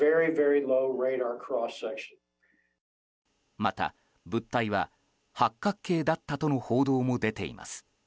また、物体は八角形だったとの報道も出ています。